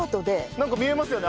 なんか見えますよね